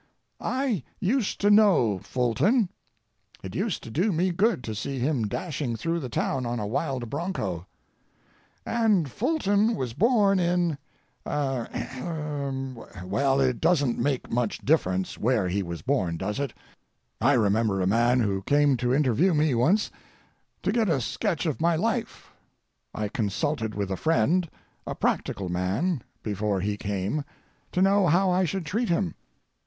I used to know Fulton. It used to do me good to see him dashing through the town on a wild broncho. And Fulton was born in— er—a—Well, it doesn't make much difference where he was born, does it? I remember a man who came to interview me once, to get a sketch of my life. I consulted with a friend—a practical man—before he came, to know how I should treat him.